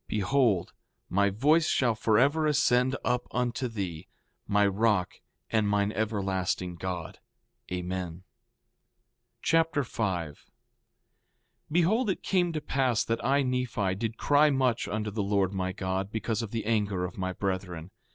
Behold, my voice shall forever ascend up unto thee, my rock and mine everlasting God. Amen. 2 Nephi Chapter 5 5:1 Behold, it came to pass that I, Nephi, did cry much unto the Lord my God, because of the anger of my brethren.